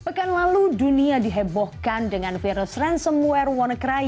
pekan lalu dunia dihebohkan dengan virus ransomware wannacry